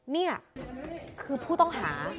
นี่คือผู้ต้องหา